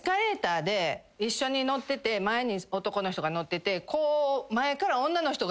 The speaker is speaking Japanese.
一緒に乗ってて前に男の人が乗っててこう。